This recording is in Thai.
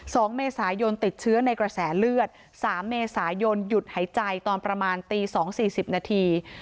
สองเมษายนติดเชื้อในกระแสเลือดสามเมษายนหยุดหายใจตอนประมาณตีสองสี่สิบนาที